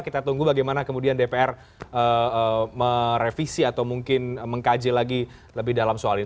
kita tunggu bagaimana kemudian dpr merevisi atau mungkin mengkaji lagi lebih dalam soal ini